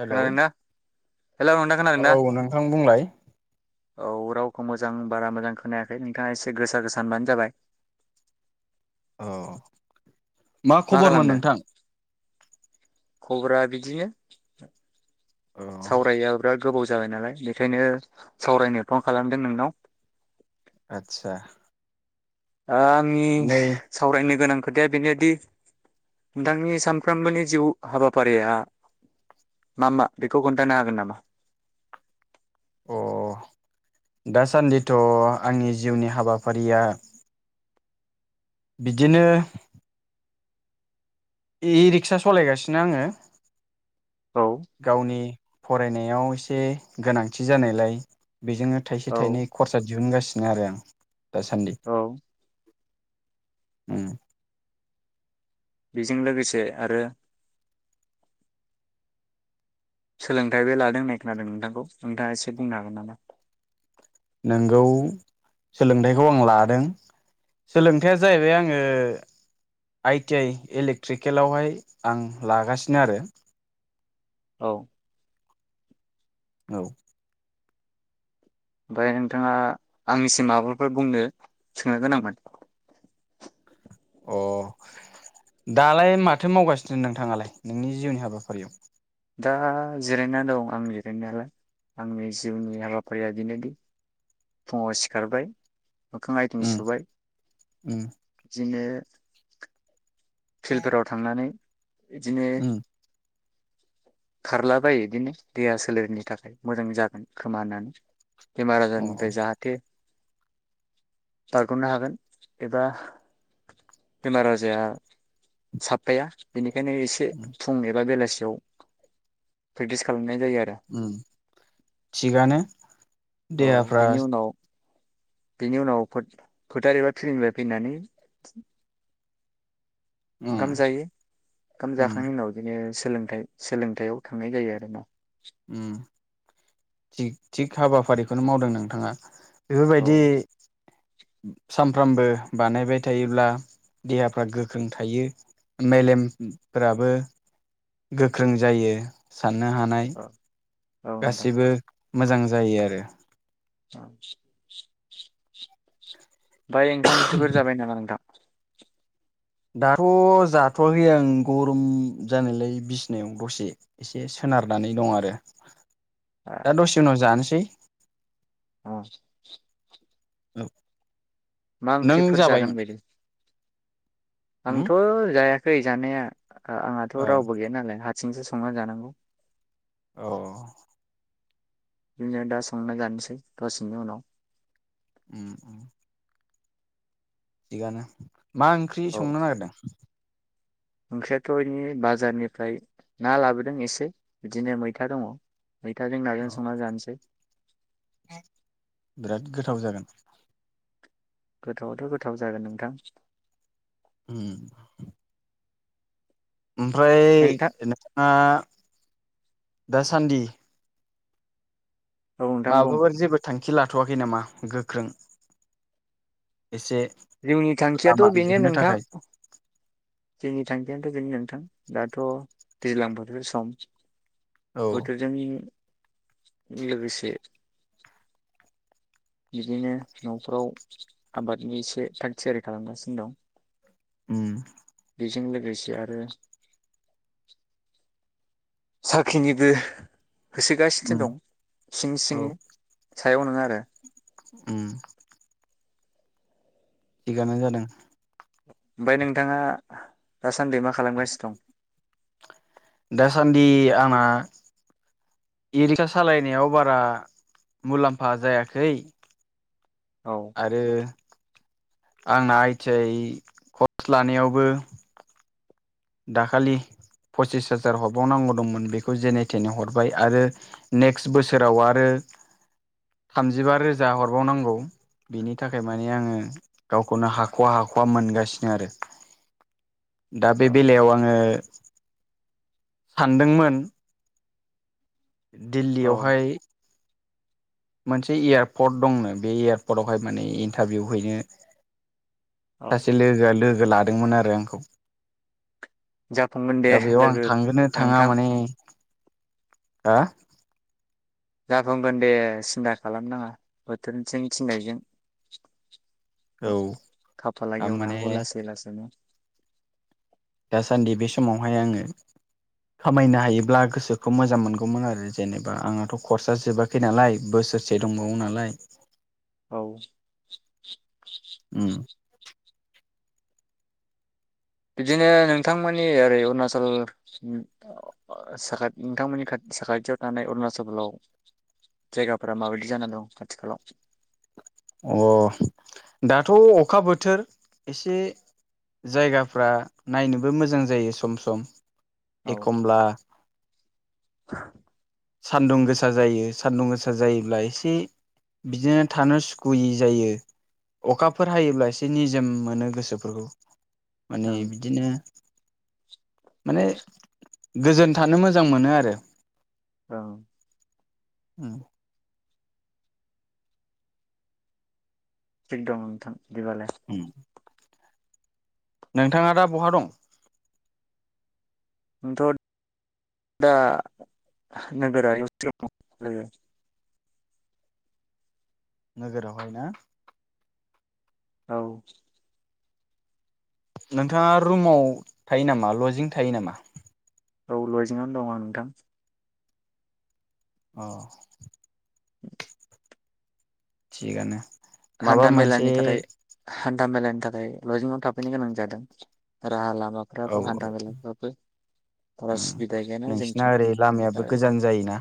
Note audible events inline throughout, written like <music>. Hello खोनादोंना hello नोंथां खोनादोंना औ नोंथां बुंलाय। औ रावखौ मोजां बारा मोजां खोनायाखै नोंथाङा एसे गोसा गोसा होनबानो जाबाय। औ। मा खबरमोन नोंथां? खबरा बिदिनो। औ सावराया बिराद गोबावस। जाबाय नालाय बेनिखायनो सावरायनो फन खालामदों नोंनाव। आतसा। आ आंनि सावरायनो गोनां खोथाया बेनोदि नोंथांनि सानफ्रोमबोनि जिउ हाबाफारिया मा मा बेखौ खोन्थानो हागोन नामा? अ दासान्दिथ' आंनि जिउनि हाबाफारिया बिदिनो। ए रिक्सा सालायगासिनो आङो। औ गावनि। फरायनायाव एसे गोनांथि जानायलाय बेजोंनो थाइसे औ थाइनै खरसा दिहुनगासि नो‌ आरो दासान्दि। औ उम बेजों लोगोसे आरो सोलोंथाइबो लादों होननाय खोनादों नोंथांखौ नोंथाङा एसे बुंनो हागोन नामा? नोंगौ सोलोंथाइखौ आं लादों सोलोंथायाइया जाहैबाय आङो आइटि आइ इलेक्ट्रिकेलावहाय आं लागासिनो आरो। औ। औ। ओमफ्राय नोंथाङा आंनिसिम माबाफोर बुंनो सोंनो गोनांमोन? अ दालाय माथो मावगासिनो नोंथाङालाय नोंनि जिउनि हाबाफारियाव? दा जिरायनानै दं आं जिरायनायालाय आंनि जिउनि हाबाफारिया बिनोदि फुङाव सिखारबाय मोखां आथिं उम सुबाय उम बिदिनो फिल्डफोराव थांनानै बिदिनो उम खारलाबायो बिदिनो देहा सोलेरनि थाखाय मोजां जागोन खोमा होननानै। बेमार अ आजारनिफ्राय जाहाथे बारग'नो हागोन एबा बेमार आजाया साबफाया बेनिख बेखायनो एसे फुं एबा बेलासि बेयाव प्रेकटिस खालामनाय जायो आरो ओम थिगानो देहाफ्रा बेनि उनाव फो फोथार एबा थिलिनिफ्राय फैनानै उम ओंखाम जायो ओंखाम उम जाखांनायनि उनाव बिदिनो सोलोंथाइ सोलोंथायाइयाव थांनाय जायो आरो ना उम जिग थिग हाबाफारिखौनो मावदों नोंथाङा औ बेफोरबायदि सानफ्रामबो बानायबाय थायोब्ला देहाफ्रा गोख्रों थायो मेलेमफ्राबो गोख्रों जायो। साननो हानाय औ औ नोंथां गासिबो मोजां जायो आरो। <inaudible> ओमफाय ओंखाम ओंख्रिफोर जाबाय नाम नोंथां? दाथ' जाथ'वाखै आं गरम जानायलाय बिसनायाव दसे एसे सोनारनानै दं आरो। ओ दा दसे उनाव जानोसै <inaudible> ओ औ मा नों ओंख्रिफोर जागोन जाबायमोन बायदि? उम आंथ' जाया खै जानाया। आंहाथ' ओ रावबो गैया नालाय हाद सिंसो संना जानांगौ। औ बिदिनो दा संना जानोसै दसेनि उनाव। उम उम थिगानो मा ओंख्रि औ संनो नागिरदों? ओंख्रियाथ' इनि बाजारनिफ्राय ना लाबोदों एसे बिदिनो मैथा दङ। मैथाजों नाजों अ संना जानोसै बिराद गोथाव जागोन। गोथावआथ' गोथाव जागोन नोंथां। ओम ओमफ्राय नोंथां नोंथाङा दासान्दि औ नोंथां बुं माबाफोर जेबो थां खि लाथ'वाखै नामा गोख्रों एसे जिउनि थांखियाथ' लामा बेनो दिहुननो नोंथां। थाखाय जोंनि थांखियानोथ' बेनो नोंथां दाथ' दैज्लां बोथोर सम। औ बोथोरजोंनिं लोगोसे इदिनो न'फ्राव आबादनि एसे थाग थियारि खालामगासिनो दं। उम बिजों लोगोसे आरो साख्रिनिबो होसोगासिनो उम दं सिं औ सिंनो सायाव नोङा आरो उम थिगानो जादों। ओमफाय नोंथाङा दास सान्दि मा खालामगासिनो दं? दासान्दि आंना इ रिक्सा सालायनायाव बारा मुलाम्फा जायाखै। औ आरो आंना आइ थि य खरस लानायावबो दाखालि पसिस हाजार हरबावनांगौ दंमोन बेखौ जेने थेने हरबाय आरो नेक्स्ट बोसोराव आरो थामजिबा रोजा हरबावनांगौ बिनि थाखाय माने आङो गावखौनो हाख'वा हाख'वा मोनगासिनो आरो बे औ बेलायाव आंङो थांनदोंमोन औ दिल्लियावहाय मोनसे एयारपर्ट दंनो बे एयारपर्टआवहाय माने इन्टारभिउ हैनो औ सासे लोगोआ लोगो लादोंमोन आ आंखौ जाफुंगोन दे दा बेयाव आं लोगो थांगोना थांङा नोंथां माने हा जाफुंगोन दे सिन्था खालामनाङा बोथोरथिं थिननायजों औ खाफाला गेवनो माने हागौ लासै लासैनो दासान्दि बे समावहाय आंङो खामायनो हायोब्ला गोसोखौ मोजां मोनगौमोन आरो जेनेबा आंहाथ' कर्सा जोबाखै नालाय बोसोरसे दंबावो नालाय औ <inaudible> <inaudible> बिदिनो नोंथांमोननि ओरै अरुणाचल साखाथि नोंथांमोननि साखाथियाव थानाय अरुणाचलाव जायगाफोरा माबायदि जाना दं आथिखालाव अ दाथ' अखा बोथोर एसे जायगाफ्रा नायनोबो मोजां जायो सम सम औ एखमब्ला <inaudible> सान्दुं गोसा जायो सान्दुं गोसा जायोब्ला एसे बिदिनो थानो सुखुयि जायो अखाफोर हायोब्ला एसे निजोम मोनो गोसोफोरखौ माने ओं बिदिनो माने गोजोन थानो मोजां मोनो आरो औ उम दिग दं नोंथां दिबालाय नोंथाङा दा बहा दं? नोंथ दा नोगोरारि <unintelligible> लोगो नोगोरावहाय ना औ नोंथाङा रुमाव थायो नामा लजिं थायो नामा? औ लजिंङावनो दंङ आं नोंथां औ थिगानो माबा हान्था मोनसे मेलानि थाखाय हान थामेलानि थाखाय लजिंआव थाफैनो गोनां जादों राहा औ लामाफ्राबो हान्था मेलाफ्राबो बारा उम सुबिदा गैयाना नोंसिना जोंथिं ओरै लामायाबो दा गोजान जायोना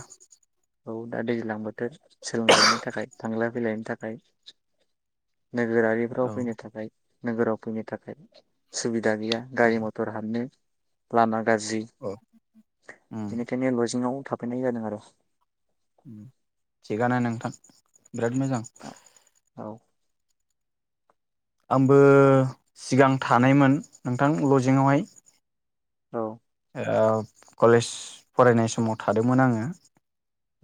औ दा दैज्लां बोथोर सोलोंथायाइनि थाखाय थांलाय फैलायनि थाखाय नोगोरारिफ्राव औ फैनो थाखाय नोगोराव फैनो थाखाय सुबि दा गैया औ गारि मथर हाबनो लामा गाज्रि औ उम बेनिखायनो लजिंआव थाफैनाय जादों आरो उम थिगानो नोंथां बिराद मोजां औ आंबो सिगां थानायमोन नोंथां लजिंआवहाय औ ओ कलेज फरायनाय समाव थादोंमोन आङो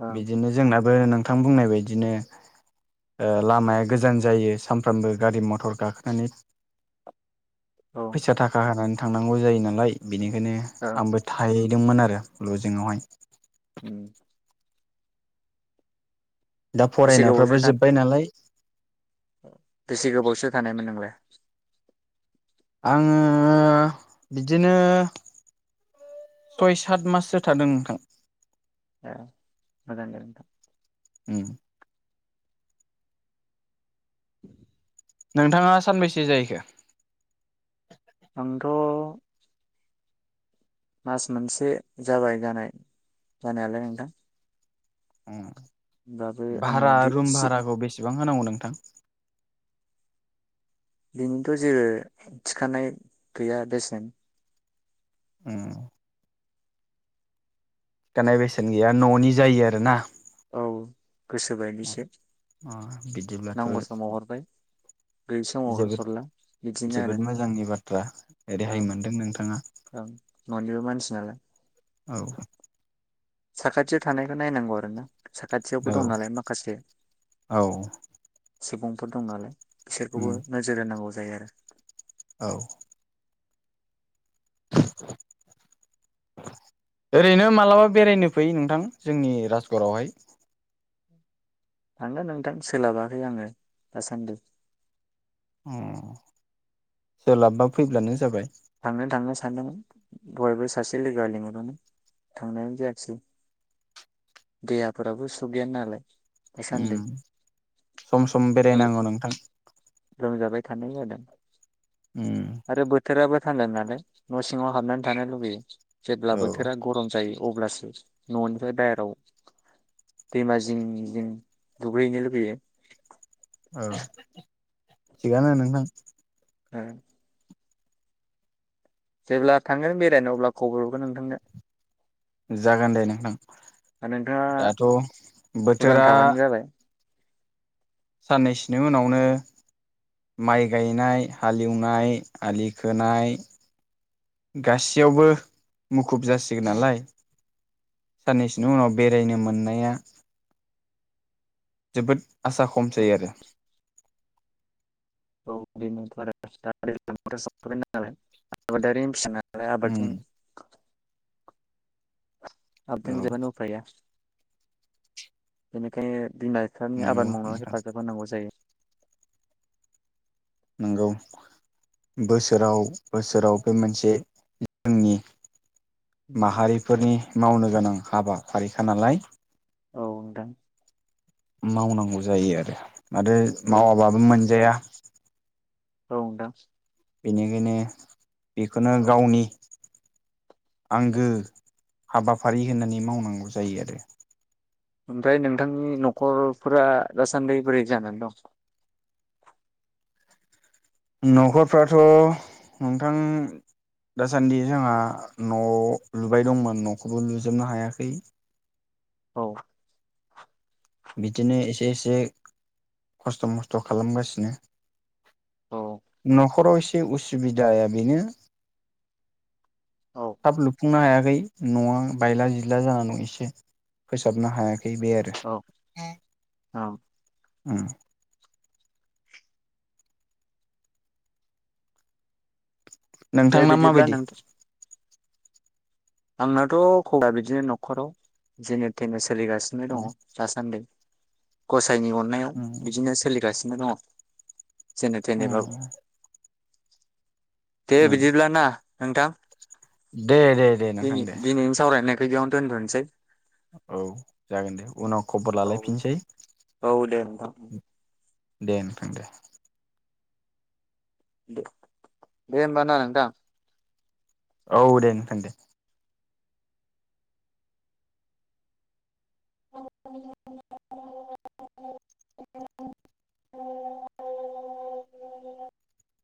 ओं बिदिनो जोंनाबो नों थां बुंनाय बायदिनो ओ लामाया गोजान जायो सानफ्रामबो गारि मथर गाखोनानै औ फैसा थाखा होनानै थांनांगौ जायो नालाय बिनिखायनो ओं आंबो थायो मोन आरो लजिंआवहाय उम दा बेसे गोबावसो फरायनायफ्राबो था जोब्बाय नालाय बेसे गोबावसो थानायमोन <inaudible> आङो बिदिनो सय सात माससो थादों नोंथां ए मोजां दे नोंथां उम नोंथाङा सानबैसे जाहैखो आंथ मास मोनसे जाबाय जानाय जानायालाय नोंथां ओ होमबाबो आङो भारा गि रुम सि भाराखौ बेसेबां होनांगौ नोंथां बेनोथ' जेबो थिखानाय गैया बेसेन उम थिखानाय बेसेन गैया न'नि जायो आरो ना औ गोसोबायदिसो अ बिदिब्लाथ' नांगौ समाव हरबाय गैयि समाव जोबोद हरला बिदिनो आरो जोबोद मोजांनि बाथ्रा रेहाय ओं मोनदों नोंथाङा ओं ननिबो मानसि नालाय औ साखाथि थानायखौ नायनांगौ आरो ना साखाथियावबो औ दं नालाय माखासे औ सुबुं थ' दं नालाय। बिसोरखौबो उम नोजोर होनांगौ जायो आरो। द <inaudible> औ। ओरैनो मालाबा बेरायनो फै नोंथां जोंनि राजगरआवहाय। थांगोन नोंथां सोलाबाखै आङो दासान्दि। अ सोलाबबा फैब्लानो जाबाय। थांनो थांनो सानदोंमोन दहायबो सासे लोगोआ लिंहरदोंमोन थांनायानो जायाखिसै देहाफोराबो सुग गैया नालाय। दासान्दि ओम सम सम बेरायनांगौ नोंथां। नुजाबाय थानाय जादों। उम आरो बोथोराबो। फानदों <unintelligible> नालाय न' सिङाव हाबनानै थानो लुुबैयो। जेब्ला औ बोथोरा गरम जायो। अब्लासो न'निफ्राय बायेराव दैमा जिं जिं दुगैहैनो लुुबैयो। औ थिगानो नोंथां। ओ। जेब्ला थांगोन बेरायनो अब्ला खबर हरगोन नोंथांनो। जागोन दे नोंथां नोंथाङा दाथ' उदां बोथोरा। थाबानो जाबाय साननैसोनि उनावनो माइ गायनाय हालेवनाय आलि खोनाय गासैयावबो मुखुब जासिगोन नालाय साननैसोनि उनाव बेरायनो मोननाया। जोबोद आसा खम जायो आरो औ <unintelligible> आबादारिनि फिसाना उम <unintelligible> <unintelligible> औ बेनिखायनो बिमा बिफानि नंगौ आबाद मावनायाव नोंथां हेफाजाब होनांगौ जायो। नंगौ बोसोराव बोसोराव बे मोनसे जोंनि माहारिफोरनि मावनो गोनां हाबाफारिखा नालाय औ नोंथां। मावनांगौ जायो आरो आरो औ मावाबाबो मोनजाया औ दा बेनिखायनो बेखौनो औ गावनि आंगो हाबाफारि होननानै मावनांगौ जायो आरो। ओमफ्राय नोंथांनि न'खरफोरा दासान्दि बोरै जानानै दं? न'खरफ्राथ' नोंथां दासान्दि जोंहा न' लुबाय दंमोन न'खौबो लुजोबनो हायाखै। औ। बिदिनो एसे एसे खस्थ' मस्थ' खालामगासिनो औ न'खराव एसे उसुबिदाया बेनो औ थाब लुफुंनो हाया न'आ बायला जिला जानानै एसे फोसाबनो हायाखै बे आरो औ औ। ओम। दे नोंथांना बिदिब्ला माबायदि नोंथां आंनाथ' खबरा बिदिनो न'खराव जेने थेनस सोलिगासिनो दङ उम दासान्दि खसे गसायनि अननायाव उम बिदिनो सोलिगासिनो नो दङ। जेने थेनेबा उम दे उम बिदिब्ला ना? नोंथां। दे दे। नोंथां दे दि-दिनैनो सावरायनो बेयावनो दोनथ'सै। औ जागोन दे उनाव खबर औ लालायफिनसै औ दे नोंथां दे नोंथां दे दे दे होमबा ना नोंथां औ दे नोंथां दे <inaudible>